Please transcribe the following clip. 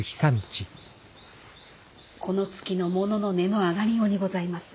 この月の物の値の上がりようにございます。